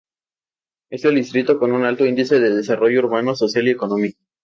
Es un distrito con un alto índice de desarrollo urbano, social y económico.